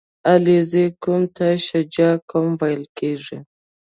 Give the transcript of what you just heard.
• علیزي قوم ته شجاع قوم ویل کېږي.